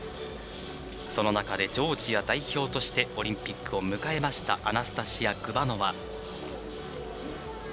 その中で、ジョージア代表としてオリンピックを迎えましたアナスタシア・グバノワ。